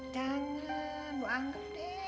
jangan lu anggap de